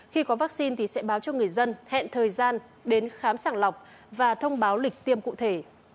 khi có vaccine thì sẽ báo cho người dân hẹn thời gian đến khám sàng lọc và thông báo lịch tiêm cụ thể